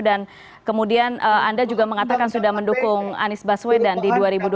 dan kemudian anda juga mengatakan sudah mendukung anies baswedan di dua ribu dua puluh empat